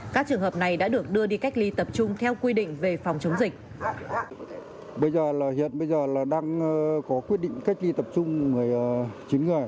các trường hợp này đã được đưa đi cách ly tập trung theo quy định về phòng chống dịch